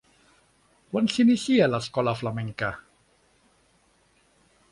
Quan s'inicia l'escola flamenca?